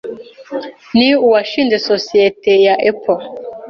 ni uwashinze sosiyete ya Apple